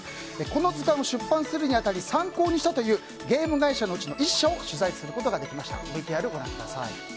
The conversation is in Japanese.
この図鑑を出版するに当たり参考にしたというゲーム会社のうちの１社を取材することができました。